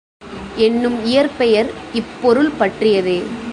என்னும் இயற்பெயர் இப்பொருள் பற்றியதே.